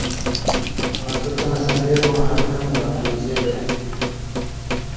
آں سو تاں سن٘دېلہۡ واں ہر کمہۡ لا پورژېلوۡ تھُو۔